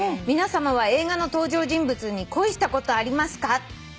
「皆さまは映画の登場人物に恋したことありますか？」